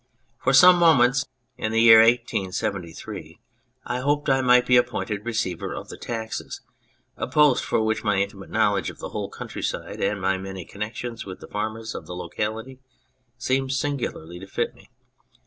For some moments in the year 1 873 I hoped I might be appointed receiver of the taxes, a post for which my intimate knowledge of the whole countryside and my many connections with the farmers of the locality seemed singularly to fit me.